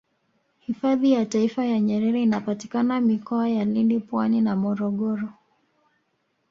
hifadhi ya taifa ya nyerere inapatikana mikoa ya lindi pwani na morogoro